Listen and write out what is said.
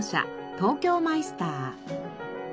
東京マイスター。